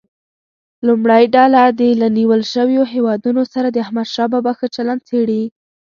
لومړۍ ډله دې له نیول شویو هیوادونو سره د احمدشاه بابا ښه چلند څېړي.